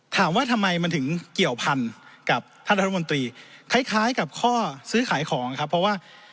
ถามว่าทำไมมันถึงเกี่ยวพันกับท่านรัฐมนตรีคล้ายกับข้อซื้อขายของครับเพราะว่า